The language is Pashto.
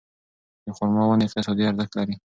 د خورما ونې اقتصادي ارزښت لري.